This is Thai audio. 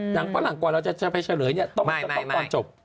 หนังฝรั่งกว่าเราจะไปเฉลยต้องต้องต้องตอนจบ